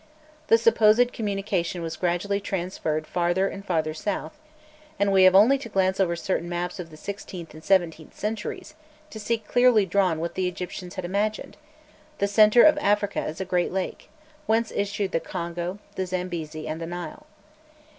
The supposed communication was gradually transferred farther and farther south; and we have only to glance over certain maps of the sixteenth and seventeenth centuries, to see clearly drawn what the Egyptians had imagined the centre of Africa as a great lake, whence issued the Congo, the Zambesi, and the Nile.